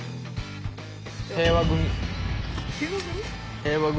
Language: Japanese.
平和組？